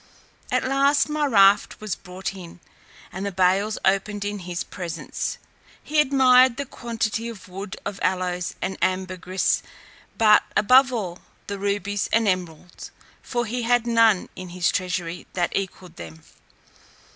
At last my raft was brought in, and the bales opened in his presence; he admired the quantity of wood of aloes and ambergris, but, above all, the rubies and emeralds, for he had none in his treasury that equalled them.